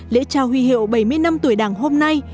lễ trao huy hiệu bảy mươi năm tuổi đảng hôm nay